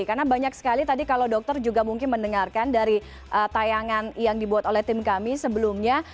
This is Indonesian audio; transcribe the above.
karena banyak sekali tadi kalau dokter juga mungkin mendengarkan dari tayangan yang dibuat oleh tim kami sebelumnya